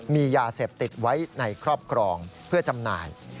มียาเสพติดไว้ในครอบครองเพื่อจำหน่าย